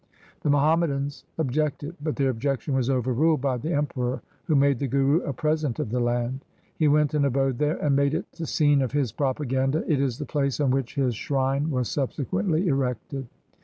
The Muhammadans objected, but their objection was overruled by the Emperor, who made the Guru a present of the land. He went and abode there, and made it the scene of his propaganda. It is the place on which his shrine was subsequently erected.